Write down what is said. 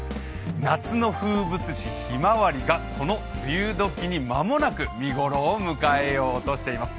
夏の風物詩、ひまわりがこの梅雨時に間もなく見頃を迎えようとしています。